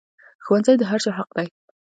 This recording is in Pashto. ښوونځی د هر چا حق دی